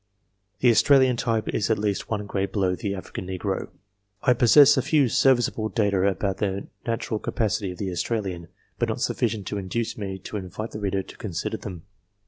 The Australian type is at least one grade below the African negro. I possess a few serviceable data about the natural capacity of the Australian, but not sufficient to induce me to invite the reader to consider them.